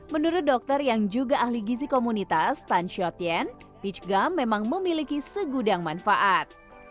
menurut dokter yang juga ahli gizi komunitas tan shot yen peach gum memang memiliki segudang manfaat